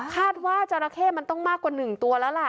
จราเข้มันต้องมากกว่า๑ตัวแล้วล่ะ